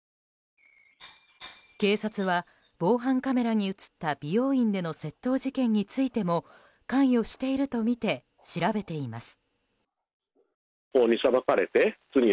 警察は、防犯カメラに映った美容院での窃盗事件についても関与しているとみて調べています。